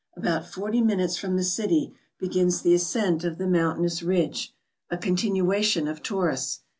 About forty minutes from the city begins the ascent of the mountainous ridge, a continuation of Taurus.